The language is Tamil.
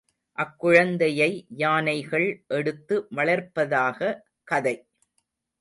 அக்குழந்தையை யானைகள் எடுத்து வளர்ப்பதாக கதை.